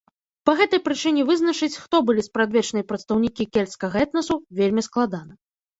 Па гэтай прычыне вызначыць, хто былі спрадвечныя прадстаўнікі кельцкага этнасу вельмі складана.